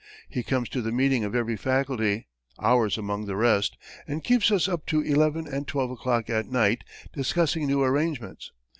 He comes to the meeting of every faculty, ours among the rest, and keeps us up to eleven and twelve o'clock at night discussing new arrangements.